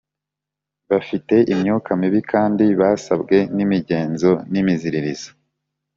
Bafite imyuka mibi kandi babaswe n’imigenzo n’imiziririzo